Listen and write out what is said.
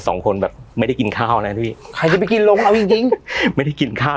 สองคนแบบไม่ได้กินข้าวนะพี่ใครจะไปกินลงเอาจริงจริงไม่ได้กินข้าว